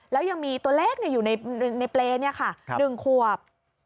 แล้วยังมีตัวเลขอยู่ในเปรย์นี้ค่ะ๑ขวบ